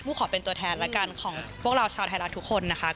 พูดขอเป็นตัวแทนละกันของพวกเราชาวไทรัศน์ทุกคนนะคะ